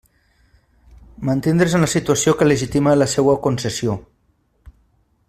Mantindre's en la situació que legitima la seua concessió.